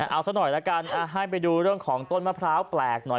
เอาซะหน่อยละกันให้ไปดูเรื่องของต้นมะพร้าวแปลกหน่อย